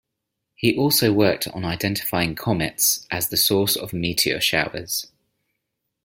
He also worked on identifying comets as the source of meteor showers.